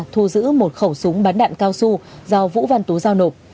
thu giữ một khẩu súng bắn đạn cao su do vũ văn tú giao nộp